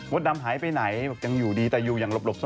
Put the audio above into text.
ว่าดำหายไปไหนยังอยู่ดีแต่อยู่อย่างหลบซ่อน